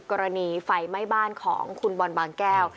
กรณีไฟไหม้บ้านของคุณบอลบางแก้ว